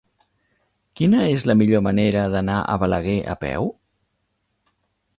Quina és la millor manera d'anar a Balaguer a peu?